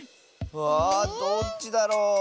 わあどっちだろう？